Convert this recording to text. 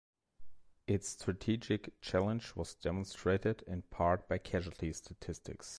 Its strategic challenge was demonstrated, in part, by casualty statistics.